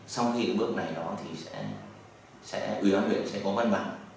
xong thì bước này đó thì sẽ ủy ban huyện sẽ có văn bản